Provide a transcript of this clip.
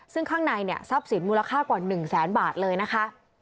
ซึ่งข้างในเนี่ยทรัพย์สินมูลค่ากว่า๑แสนบาทเลยนะคะ